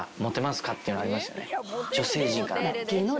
女性陣から。